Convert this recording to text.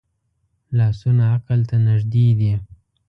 لاسونه عقل ته نږدې دي